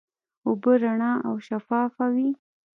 اوبه رڼا او شفافه وي.